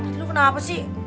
tadi lu kenapa sih